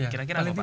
kira kira apa pak